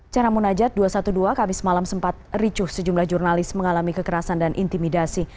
cara munajat dua ratus dua belas kamis malam sempat ricuh sejumlah jurnalis mengalami kekerasan dan intimidasi